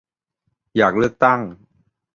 อยากเลือกตั้ง